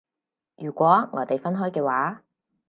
如果我哋分開嘅話